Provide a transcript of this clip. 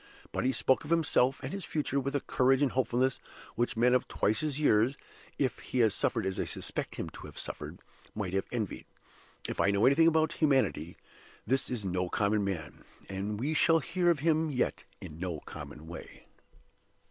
But he spoke of himself and his future with a courage and hopefulness which men of twice his years (if he has suffered as I suspect him to have suffered) might have envied. If I know anything of humanity, this is no common man; and we shall hear of him yet in no common way.